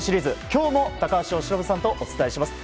今日も高橋由伸さんとお伝えします。